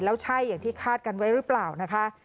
แล้วใช่อย่างที่คาดกันไว้หรือเปล่านะคะ